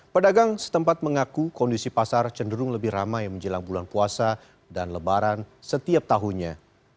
pedagang setempat mengaku kondisi pasar cenderung lebih ramai menjelang bulan puasa dan lebaran setiap tahunnya